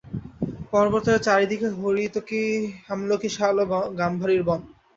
পর্বতের চারি দিকে হরীতকী আমলকী শাল ও গাম্ভারির বন।